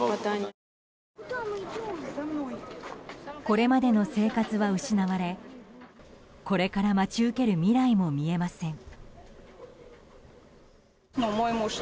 これまでの生活は失われこれから待ち受ける未来も見えません。